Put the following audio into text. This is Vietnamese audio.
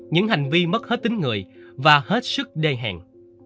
những hành vi mất hết tính người và hết sức đê hẹn